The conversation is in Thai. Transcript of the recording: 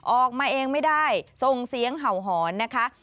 ออกมาเองไม่ได้ส่งเสียงเห่าหอนนะคะ